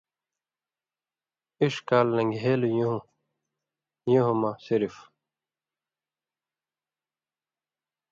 اِݜ کال لن٘گھیلیۡ یُوں/یُون٘ہہۡ مہ صرف